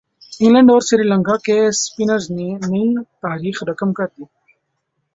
England اور سری لنکا کے spinners نے نئی تاریخ رقم کر دی